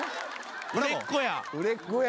売れっ子や。